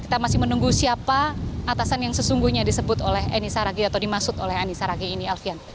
kita masih menunggu siapa atasan yang sesungguhnya disebut oleh eni saragi atau dimaksud oleh eni saragi ini alfian